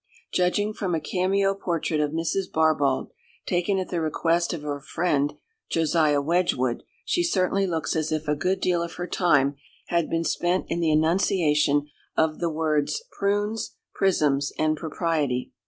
Judging from a cameo portrait of Mrs. Barbauld, taken at the request of her friend Josiah Wedgwood, she certainly looks as if a good deal of her time had been spent in the enunciation of the words "prunes, prisms, and propriety."